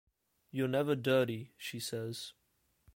"You're never dirty," she says.